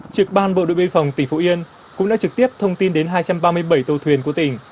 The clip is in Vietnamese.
trực ban bộ đội biên phòng tỉnh phú yên cũng đã trực tiếp thông tin đến hai trăm ba mươi bảy tàu thuyền của tỉnh